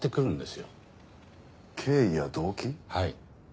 はい。